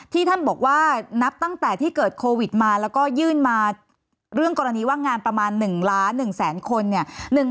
ท่านบอกว่านับตั้งแต่ที่เกิดโควิดมาแล้วก็ยื่นมาเรื่องกรณีว่างงานประมาณ๑ล้าน๑แสนคนเนี่ย